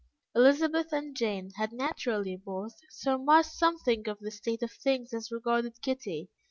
Elizabeth and Jane had naturally both surmised something of the state of things as regarded Kitty.